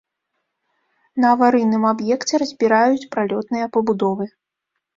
На аварыйным аб'екце разбіраюць пралётныя пабудовы.